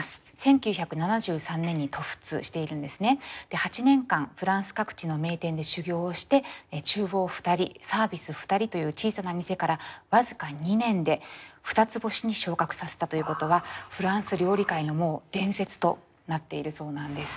で８年間フランス各地の名店で修業をして厨房２人サービス２人という小さな店から僅か２年で２つ星に昇格させたということはフランス料理界の伝説となっているそうなんです。